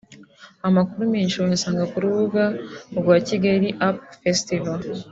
Amakuru menshi wayasanga ku rubuga rwa Kigali Up Festival http